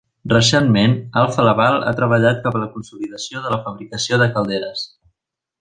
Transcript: Recentment, Alfa Laval ha treballat cap a la consolidació de la fabricació de calderes.